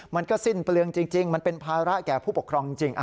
มันก็สิ้นเปลืองจริงมันเป็นภาระแก่ผู้ปกครองจริง